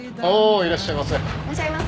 いらっしゃいませ。